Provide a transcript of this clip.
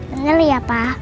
dengar ya pak